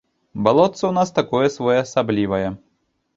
Балотца ў нас такое своеасаблівае.